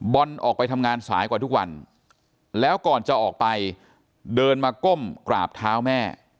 ออกไปทำงานสายกว่าทุกวันแล้วก่อนจะออกไปเดินมาก้มกราบเท้าแม่